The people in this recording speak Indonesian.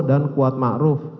dan kuat ma'ruf